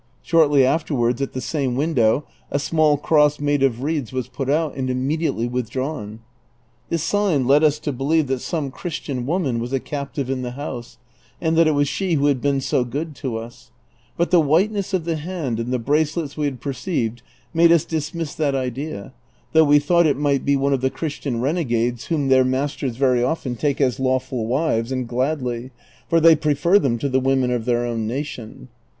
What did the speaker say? Shortly afterwards at the same window a small cross made of reeds was put out and iuuuediately withdrawn. This sign led us to Ijelieve that some Christian woman was a captive in the house, and that it was she who had been so good to us ; but the whiteness of the hand and the bracelets we had perceived made us dismiss that idea, thoug'h we thought it mio ht be one of the Christian renegades whom their masters very often take as lawful wives, and gladly, for they prefer them to the women of their own nation.